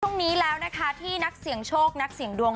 ช่วงนี้แล้วนะคะที่นักเสี่ยงโชคนักเสี่ยงดวง